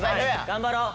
頑張ろう。